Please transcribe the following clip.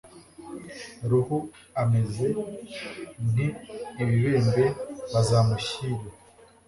ruhu ameze nk ibibembe bazamushyire